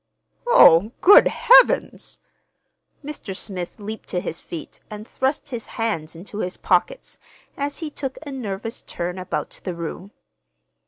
"Oh, good Heavens!" Mr. Smith leaped to his feet and thrust his hands into his pockets, as he took a nervous turn about the room.